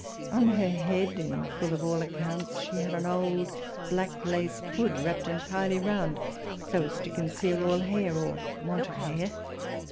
On her head, in full of all accounts, she had an old black laced hood, wrapped entirely round, so as to conceal all hair or want of hair.